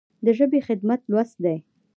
د ژبې خدمت لوست دی.